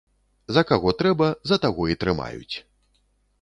За каго трэба, за таго і трымаюць.